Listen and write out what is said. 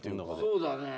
そうだね。